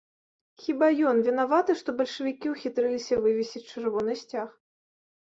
Хіба ён вінаваты, што бальшавікі ўхітрыліся вывесіць чырвоны сцяг?